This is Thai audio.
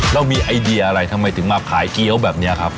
เรามีไอเดียอะไรทำไมถึงมาขายเกี้ยวแบบนี้ครับ